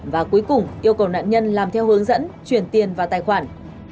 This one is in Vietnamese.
và cuối cùng yêu cầu nạn nhân làm theo hướng dẫn chuyển tiền vào tài khoản